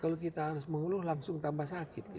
kalau kita harus mengeluh langsung tambah sakit